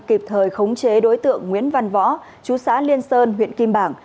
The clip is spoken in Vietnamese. kịp thời khống chế đối tượng nguyễn văn võ chú xã liên sơn huyện kim bảng